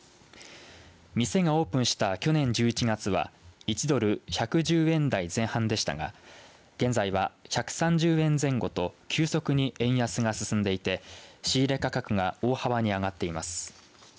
店がオープンした去年１１月は１ドル１１０円台前半でしたが現在は１３０円前後と急速に円安が進んでいて仕入れ価格が大幅に上がっています。